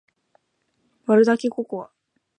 割るだけココア